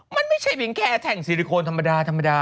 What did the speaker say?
มันไม่ใช่เพียงแค่แท่งซิลิโคนธรรมดาธรรมดา